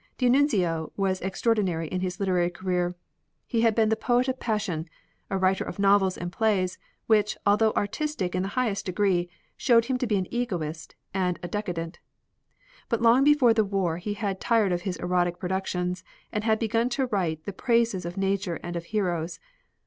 D'Annunzio was extraordinary in his literary career. He had been the poet of passion, a writer of novels and plays, which, although artistic in the highest degree, showed him to be an egotist and a decadent. But long before the war he had tired of his erotic productions and had begun to write the praises of Nature and of heroes.